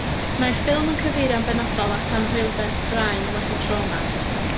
Mae'r ffilm yn cyfeirio'n benodol at Anhwylder Straen Wedi Trawma.